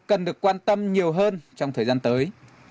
cần được quan tâm nhiều hơn trong thời gian tới